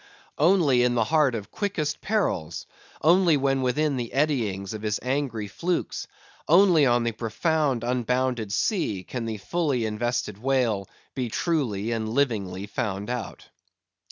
Only in the heart of quickest perils; only when within the eddyings of his angry flukes; only on the profound unbounded sea, can the fully invested whale be truly and livingly found out.